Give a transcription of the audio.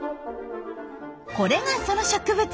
これがその植物。